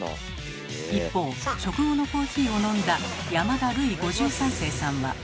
一方食後のコーヒーを飲んだ山田ルイ５３世さんは。